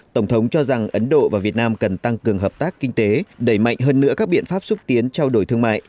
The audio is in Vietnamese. tổng thống cho rằng ấn độ và việt nam cần tăng cường hợp tác kinh tế đẩy mạnh hơn nữa các biện pháp xúc tiến trao đổi thương mại